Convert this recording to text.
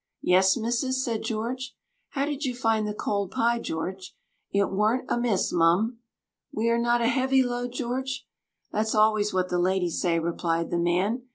"Yes, missus," said George. "How did you find the cold pie, George?" "It warn't amiss, mum." "We are not a heavy load, George? "That's always what the ladies say," replied the man.